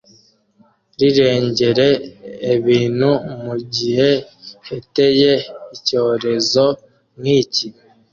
rirengere ebentu mu gihe heteye icyorezo nk’iki